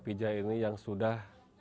pijak ini yang sudah